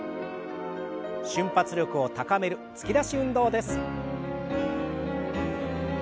瞬発力を高める突き出し運動です。